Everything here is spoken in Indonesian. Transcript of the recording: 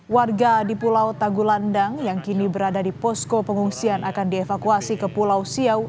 warga di pulau tagulandang yang kini berada di posko pengungsian akan dievakuasi ke pulau siau